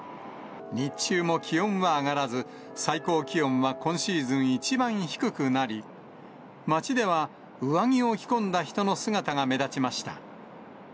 日中も気温は上がらず、最高気温は今シーズン一番低くなり、街では上着を着込んだ人の姿が目立ちました。